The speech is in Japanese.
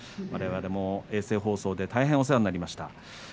われわれも衛星放送で大変お世話になりました。